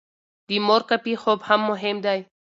د مور کافي خوب مهم دی.